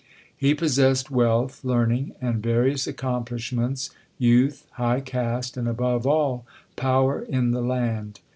He possessed wealth, learning, and various accomplishments, youth, high caste, and above all, power in the land.